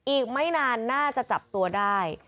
อีกไม่นานน่าจะจับตัวได้